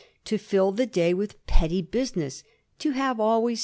to fill the day with petty business, to have always